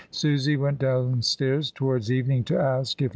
Susy went downstairs towards evening to ask if 252 MRS.